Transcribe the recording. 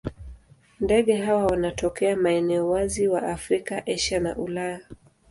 Ndege hawa wanatokea maeneo wazi wa Afrika, Asia na Ulaya.